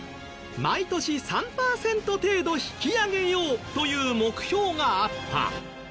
毎年３パーセント程度引き上げようという目標があった。